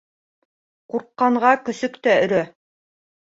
Ҡурҡҡанға көсөк тә өрә.